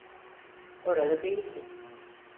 Orada değildi.